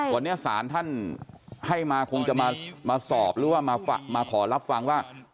วันนี้ศาลท่านให้มาคงจะมาสอบหรือว่ามาขอรับฟังว่า